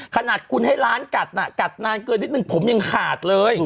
ขนาดคุณให้ร้านกัดนานเกินนิดหนึ่งผมยังขาดเลย